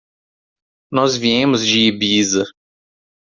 Nós viemos de Ibiza.